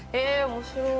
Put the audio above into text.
面白い。